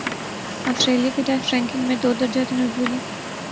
Australia کی test ranking میں دو درجہ تنزلی